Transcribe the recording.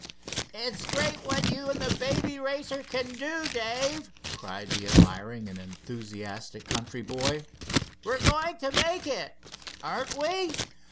"It's great what you and the Baby Racer can do, Dave," cried the admiring and enthusiastic country boy. "We're going to make it, aren't we?"